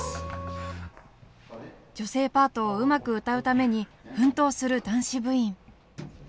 女声パートをうまく歌うために奮闘する男子部員。